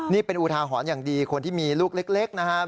นี่เป็นอุทาหรณ์อย่างดีคนที่มีลูกเล็กนะครับ